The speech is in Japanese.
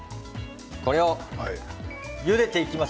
これをゆでていきます。